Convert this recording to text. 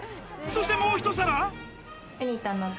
そしてもうひと皿！